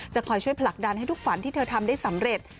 คอยช่วยผลักดันให้ทุกฝันที่เธอทำได้สำเร็จ